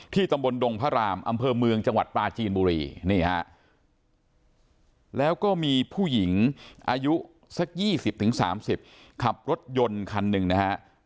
ตำบลดงพระรามอำเภอเมืองจังหวัดปลาจีนบุรีนี่ฮะแล้วก็มีผู้หญิงอายุสัก๒๐๓๐ขับรถยนต์คันหนึ่งนะฮะ